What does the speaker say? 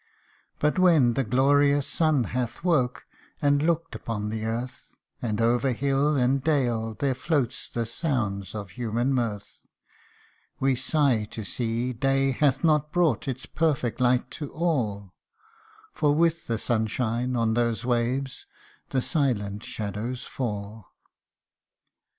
But when the glorious sun hath Voke and looked upon the earth, And over hill and dale there float the sounds of human mirth ; We sigh to see day hath not brought its perfect light to all, For with the sunshine on those waves, the silent shadows fall.